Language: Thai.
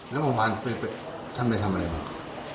แล้วบางพันที่ท่านไปทำอะไรบ้าง